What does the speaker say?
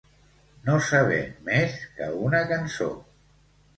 No saber més que una cançó.